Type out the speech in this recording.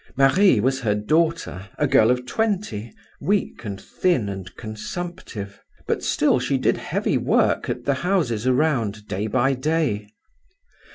Marie was her daughter, a girl of twenty, weak and thin and consumptive; but still she did heavy work at the houses around, day by day.